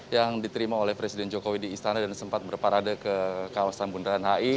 yang diterima oleh presiden jokowi di istana dan sempat berparade ke kawasan bundaran hi